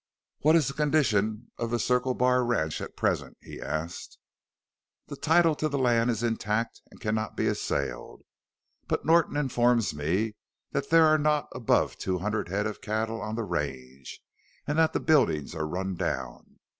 "What is the condition of Circle Bar ranch at present?" he asked. "The title to the land is intact and cannot be assailed. But Norton informs me that there are not above two hundred head of cattle on the range, and that the buildings are run down.